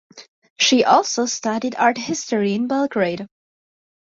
She also studied art history in Belgrade.